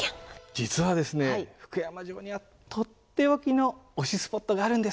実はですね福山城には取って置きの推しスポットがあるんです！